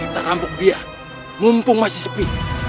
kita rampuk dia mumpung masih sepi